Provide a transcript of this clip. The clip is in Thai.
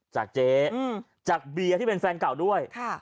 จากเจ๊จากเบียร์ที่เป็นแฟนเก่าด้วย